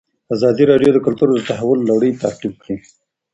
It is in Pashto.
ازادي راډیو د کلتور د تحول لړۍ تعقیب کړې.